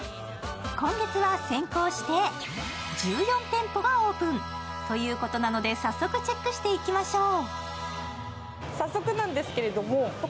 今月は先行して１４店舗がオープン。ということなので、早速チェックしていきましょう。